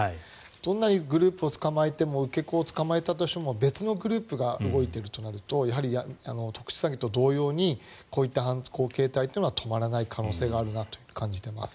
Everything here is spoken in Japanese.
どんなにグループを捕まえても受け子を捕まえたとしても別のグループが動いているとなるとやはり特殊詐欺と同様にこういった犯行形態というのは止まらない可能性があるなと感じています。